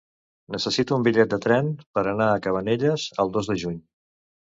Necessito un bitllet de tren per anar a Cabanelles el dos de juny.